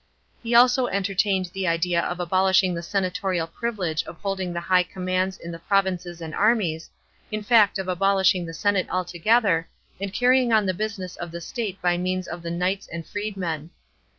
* He also entertained the idea of abolishing the senatorial privilege of holding the high commands in the provinces and armies, in fact of abolishing the senate altogether, and carrying on the business of the state by means of the knights and freedmen.